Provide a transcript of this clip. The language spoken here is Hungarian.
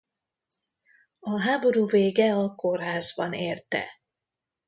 A háború vége a kórházban érte.